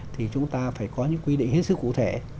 thì chúng ta phải có những quy định hết sức cụ thể